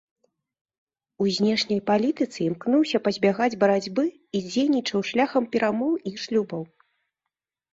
У знешняй палітыцы імкнуўся пазбягаць барацьбы і дзейнічаў шляхам перамоў і шлюбаў.